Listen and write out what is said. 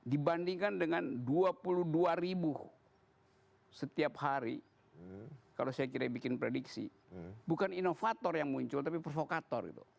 dibandingkan dengan dua puluh dua ribu setiap hari kalau saya kira bikin prediksi bukan inovator yang muncul tapi provokator gitu